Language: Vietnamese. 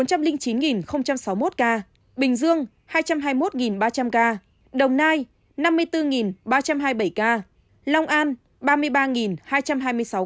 bốn trăm linh chín sáu mươi một ca bình dương hai trăm hai mươi một ba trăm linh ca đồng nai năm mươi bốn ba trăm hai mươi bảy ca long an ba mươi ba hai trăm hai mươi sáu ca tiền giang một mươi bốn bốn trăm bảy mươi bảy ca